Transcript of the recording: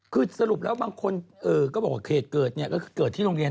คือสรุปแล้วบางคนก็บอกว่าเขตเกิดเนี่ยก็คือเกิดที่โรงเรียน